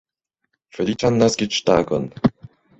Feliĉan naskiĝtagon!